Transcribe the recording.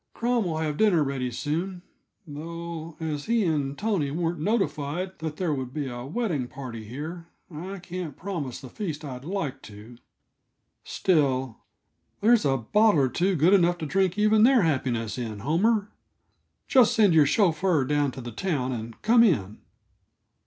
"Crom will have dinner ready soon, though as he and Tony weren't notified that there would be a wedding party here, I can't promise the feast I'd like to. Still, there's a bottle or two good enough to drink even their happiness in, Homer. Just send your chauffeur down to the town, and come in."